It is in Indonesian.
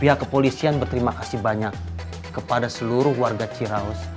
pihak kepolisian berterima kasih banyak kepada seluruh warga ciraus